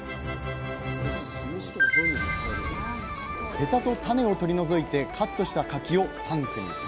ヘタと種を取り除いてカットした柿をタンクに投入。